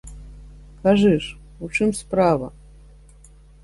Кажы ж, у чым справа?